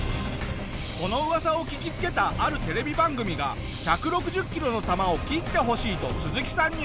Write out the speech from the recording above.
この噂を聞きつけたあるテレビ番組が１６０キロの球を斬ってほしいとスズキさんにオファー。